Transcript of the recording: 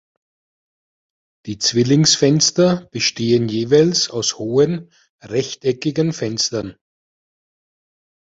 Die Zwillingsfenster bestehen jeweils aus hohen, rechteckigen Fenstern.